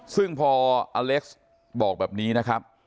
ซึ่งพออเล็กซ์บอกแบบนี้นะครับ